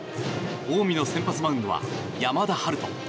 近江の先発マウンドは山田陽翔。